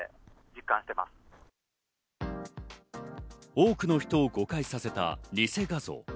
多くの人を誤解させたニセ画像。